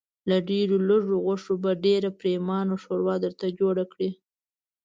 له ډېرو لږو غوښو به ډېره پرېمانه ښوروا درته جوړه کړي.